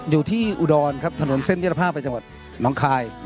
อยู่ที่อุดรนทะนวนเส้นพิทธภาพแผนจังหวัดณคาย